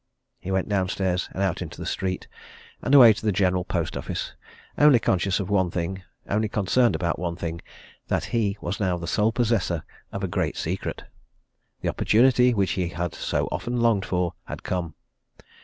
He went downstairs, and out into the street, and away to the General Post Office, only conscious of one thing, only concerned about one thing that he was now the sole possessor of a great secret. The opportunity which he had so often longed for had come.